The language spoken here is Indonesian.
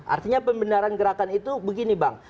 artinya pembenaran gerakan itu begini bang